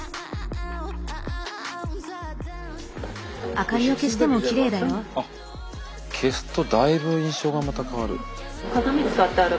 あっ消すとだいぶ印象がまた変わる。